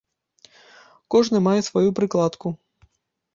Кожны мае сваю прыкладку.